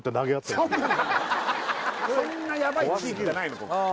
そんなやばい地域じゃないの